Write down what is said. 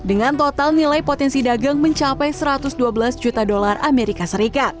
dengan total nilai potensi dagang mencapai satu ratus dua belas juta dolar as